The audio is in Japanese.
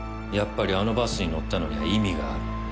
やっぱりあのバスに乗ったのには意味がある。